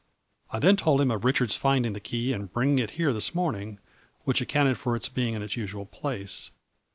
I then told him of Richard's finding the key and bringing it here this morning, which accounted for its being in its usual place.